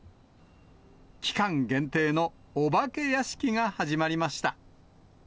期間限定のお化け屋敷が始まりました。